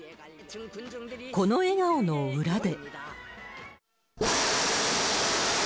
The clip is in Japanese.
この笑顔の裏で。